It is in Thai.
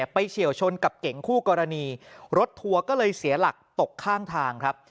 เฉียวชนกับเก๋งคู่กรณีรถทัวร์ก็เลยเสียหลักตกข้างทางครับ